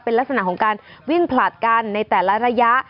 เป็นลักษณะของการวิ่งผลัดกันในแต่ละระยะ